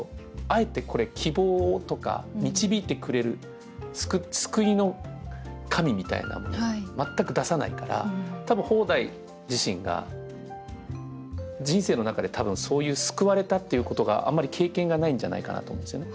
あえてこれ希望とか導いてくれる「救いの神」みたいなもの全く出さないから多分方代自身が人生の中で多分そういう救われたっていうことがあんまり経験がないんじゃないかなと思うんですよね。